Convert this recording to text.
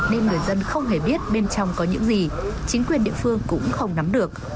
nên người dân không hề biết bên trong có những gì chính quyền địa phương cũng không nắm được